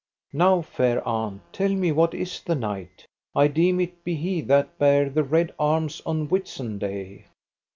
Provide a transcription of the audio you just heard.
Now, fair aunt, tell me what is the knight? I deem it be he that bare the red arms on Whitsunday.